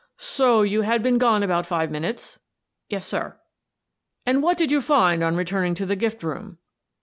" So you had been gone about five minutes? "" Yes, sir." " And what did you find on returning to the gift j room?"